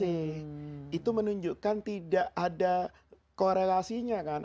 itu menunjukkan tidak ada korelasinya kan